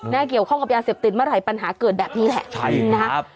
เกี่ยวข้องกับยาเสพติดเมื่อไหร่ปัญหาเกิดแบบนี้แหละนะครับ